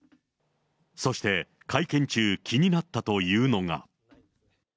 そして、会見中、気になったというのが。